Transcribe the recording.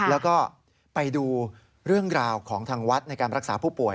แล้วก็ไปดูเรื่องราวของทางวัดในการรักษาผู้ป่วย